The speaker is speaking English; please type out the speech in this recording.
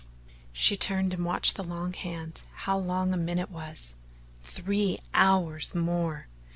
She turned and watched the long hand how long a minute was! Three hours more!